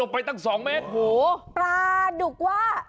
ปรากฎว่า